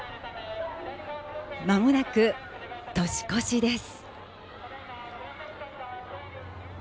まもなく年越しです。